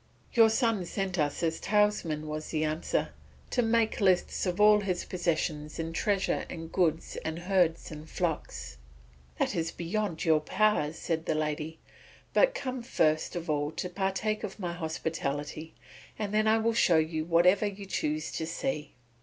"Your son sent us as talesmen," was the answer, "to make lists of all his possessions in treasure and goods and herds and flocks." "That is beyond your powers," said the lady; "but come first of all to partake of my hospitality, and then I will show you whatever you choose to see."